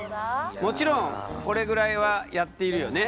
もちろんこれぐらいはやっているよね？